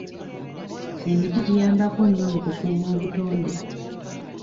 Emiti giyambako nnyo mu kukuuma obutonde.